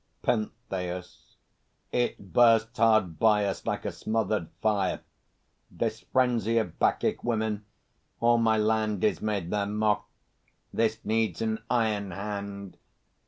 PENTHEUS. It bursts hard by us, like a smothered fire, This frenzy of Bacchic women! All my land Is made their mock. This needs an iron hand!